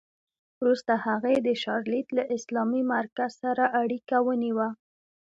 وروسته هغې د شارليټ له اسلامي مرکز سره اړیکه ونیوه